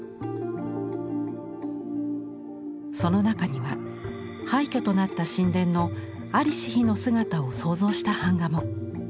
その中には廃虚となった神殿の在りし日の姿を想像した版画も。